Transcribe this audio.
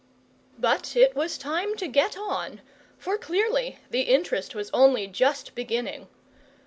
But it was time to get on, for clearly the interest was only just beginning.